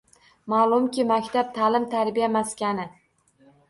Ma’lumki, maktab — ta’lim-tarbiya maskani.